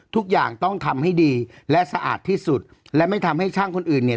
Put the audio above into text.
ทุกอย่างต้องทำให้ดีและสะอาดที่สุดและไม่ทำให้ช่างคนอื่นเนี่ย